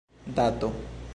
dato